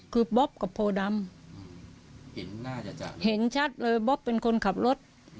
คือบ๊อบกับพ่อดำเห็นชัดเลยบ๊อบเป็นคนขับรถ